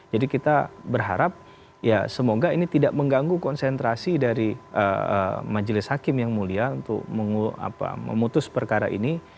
jadi kita berharap ya semoga ini tidak mengganggu konsentrasi dari majelis hakim yang mulia untuk memutus perkara ini